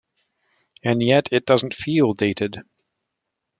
And yet it doesn't feel dated.